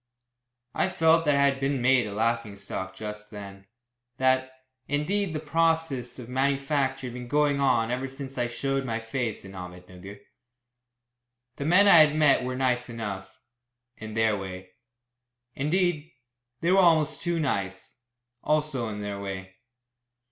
I felt that I had been made a laughing stock just then; that, indeed, the process of manufacture had been going on ever since I showed my face in Ahmednugger. The men I had met were nice enough in their way. Indeed, they were almost too nice also in their way.